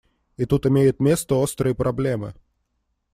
И тут имеют место острые проблемы.